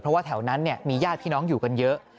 เพราะว่าแถวนั้นมีญาติพี่น้องอยู่กันเยอะ